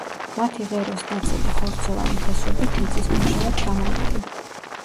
მათი ღეროს ნაწილი ხორცოვანი ფესვებით მიწისქვეშაა ჩამალული.